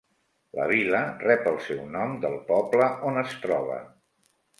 La vil·la rep el seu nom del poble on es troba.